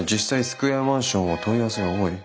スクエアマンションは問い合わせが多い。